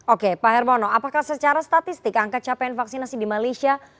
oke pak hermono apakah secara statistik angka capaian vaksinasi di malaysia